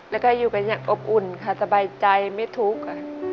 แล้วก็อยู่กันอย่างอบอุ่นค่ะสบายใจไม่ทุกข์